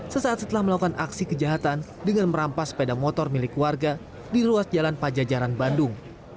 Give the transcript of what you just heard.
sesaat setelah melakukan aksi kejahatan dengan merampas sepeda motor milik warga di ruas jalan pajajaran bandung